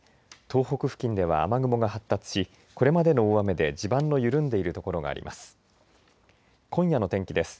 東北付近では雨雲が発達しこれまでの大雨で地盤の緩んでいる所があります。